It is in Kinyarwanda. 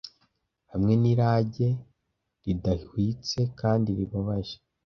hamwe n'irage ridahwitse kandi ribabaje.